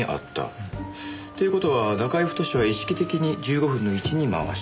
という事は中居太は意識的に１５分の位置に回した。